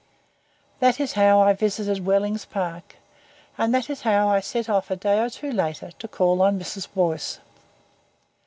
That is how I visited Wellings Park and that is how I set off a day or two later to call on Mrs. Boyce.